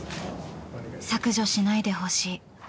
「削除しないでほしい」